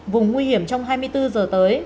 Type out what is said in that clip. vùng nguy hiểm trong hai mươi bốn h tới